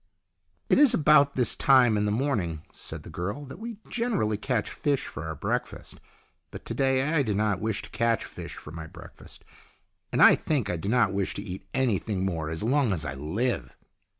" It is about this time in the morning," said the girl, " that we generally catch fish for our breakfast, but to day I do not wish to catch fish for my breakfast, and I think I do not wish to eat any thing more as long as I live."